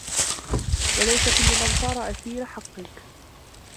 وَلَيْسَ كُلُّ مَنْ صَارَ أَسِيرَ حَقِّك